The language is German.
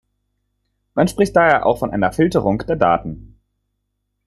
Man spricht daher auch von einer "Filterung" der Daten.